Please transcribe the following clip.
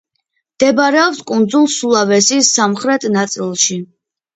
მდებარეობს კუნძულ სულავესის სამხრეტ ნაწილში.